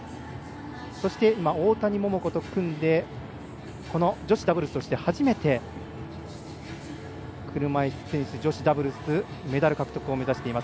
そして大谷桃子と組んで女子ダブルスとして初めて車いすテニス女子ダブルスメダル獲得を目指しています。